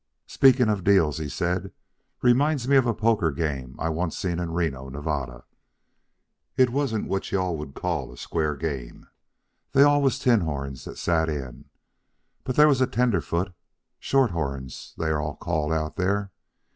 "Speaking of deals," he said, "reminds me of a poker game I once seen in Reno, Nevada. It wa'n't what you all would call a square game. They all was tin horns that sat in. But they was a tenderfoot short horns they all are called out there.